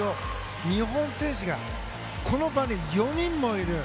日本選手がこの場に４人もいる。